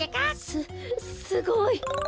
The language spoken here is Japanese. すすごい！